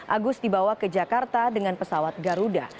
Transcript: agus dibawa ke jakarta dengan pesawat garuda